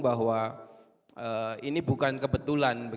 bahwa ini bukan kebetulan